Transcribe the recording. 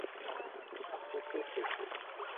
十九幾年冇見啦，仲講依啲